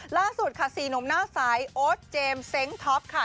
ล่าสุดค่ะ๔หนุ่มหน้าใสโอ๊ตเจมส์เซ้งท็อปค่ะ